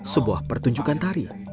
sebuah pertunjukan tari